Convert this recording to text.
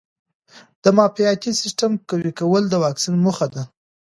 د معافیتي سیسټم قوي کول د واکسین موخه ده.